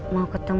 mau ketemu papa